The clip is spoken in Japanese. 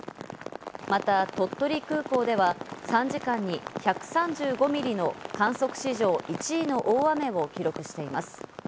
また鳥取空港では３時間に１３５ミリの観測史上１位の大雨を記録しています。